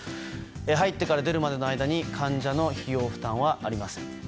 入ってから出るまでの間に患者の費用負担はありません。